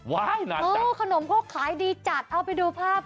โหขนมครกขายดีจัดเอาไปดูภาพค่า